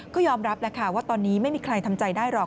ก็ยอมรับแหละค่ะว่าตอนนี้ไม่มีใครทำใจได้หรอก